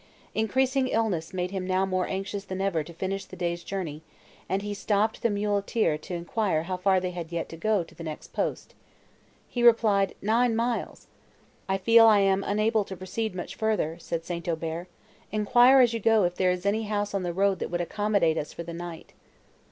Increasing illness made him now more anxious than ever to finish the day's journey, and he stopped the muleteer to enquire how far they had yet to go to the next post. He replied, "Nine miles." "I feel I am unable to proceed much further," said St. Aubert; "enquire, as you go, if there is any house on the road that would accommodate us for the night."